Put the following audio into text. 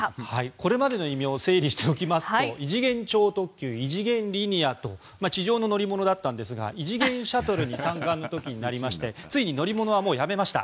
これまでの異名を整理しておきますと異次元超特急、異次元リニアと地上の乗り物だったんですが異次元シャトルに三冠の時になりましてついに乗り物はやめました